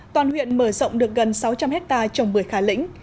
toàn huyện mở rộng được gần sáu trăm linh hectare trồng bưởi khả lĩnh